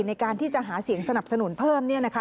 ในการที่จะหาเสียงสนับสนุนเพิ่ม